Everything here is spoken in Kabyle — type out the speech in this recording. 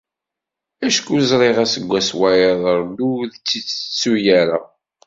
Acku ẓriɣ aseggas wayeḍ Rebbi ur ittettu ara.